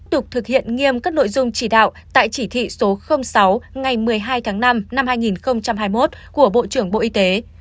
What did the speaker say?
tiếp tục thực hiện nghiêm các nội dung chỉ đạo tại chỉ thị số sáu ngày một mươi hai tháng năm năm hai nghìn hai mươi một của bộ trưởng bộ y tế